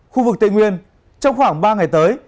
khu vực tây nguyên trong khoảng ba ngày tới